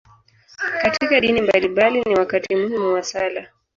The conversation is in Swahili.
Katika dini mbalimbali, ni wakati muhimu wa sala.